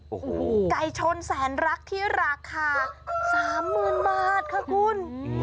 โอ้โหไก่ชนแสนรักที่ราคา๓๐๐๐บาทค่ะคุณ